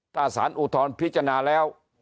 ถ้าสารอุทธรณ์พิจารณาแล้ว